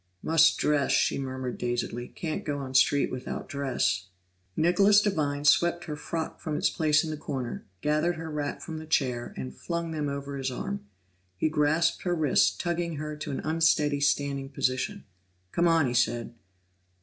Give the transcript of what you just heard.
"Must dress!" she murmured dazedly, "can't go on street without dress." Nicholas Devine swept her frock from its place in the corner, gathered her wrap from the chair, and flung them over his arm. He grasped her wrist, tugging her to an unsteady standing position. "Come on," he said.